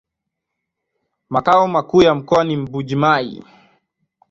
Makao makuu ya mkoa ni Mbuji-Mayi.